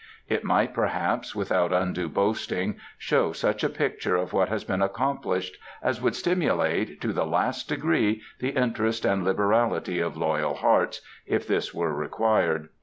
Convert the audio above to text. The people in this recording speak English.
It might, perhaps, without undue boasting, show such a picture of what has been accomplished as would stimulate, to the last degree, the interest and the liberality of loyal hearts, if this were required.